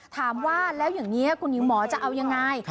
ถามว่าแล้วอย่างนี้คุณหญิงหมอจะเอายังไง